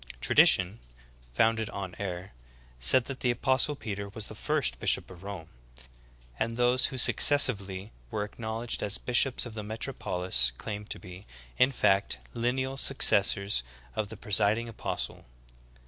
Tradition, founded on error, said that the apostle Peter was the first bishop of Rome ; and those who successively were acknowledged as bishops of the metropolis claimed to be, in fact, lineal successors of the presiding apos tle.